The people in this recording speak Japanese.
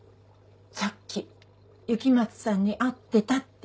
さっき雪松さんに会ってたって。